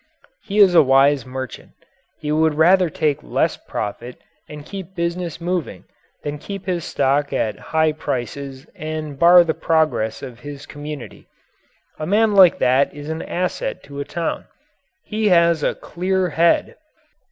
He is a wise merchant. He would rather take less profit and keep business moving than keep his stock at high prices and bar the progress of his community. A man like that is an asset to a town. He has a clear head.